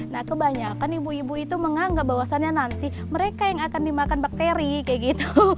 nah kebanyakan ibu ibu itu menganggap bahwasannya nanti mereka yang akan dimakan bakteri kayak gitu